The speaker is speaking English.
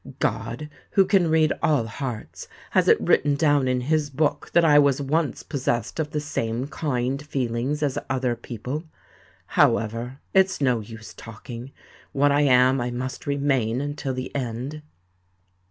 God, who can read all hearts, has it written down in his book that I was once possessed of the same kind feelings as other people. However—it's no use talking: what I am I must remain until the end."